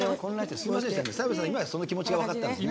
澤部さん、今その気持ちが分かったんですね。